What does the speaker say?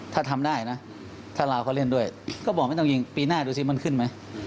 ถ้าทำได้นะถ้าลาวเขาเล่นด้วยก็บอกไม่ต้องยิงปีหน้าดูสิมันขึ้นไหม